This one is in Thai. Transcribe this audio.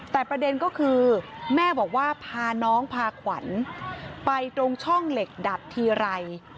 แต่ประเด็นก็คือแม่บอกว่าพาน้องพาขวัญไปตรงช่องเหล็กดัดทีไร